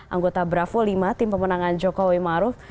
anggota bravo lima tim pemenangan jokowi maruf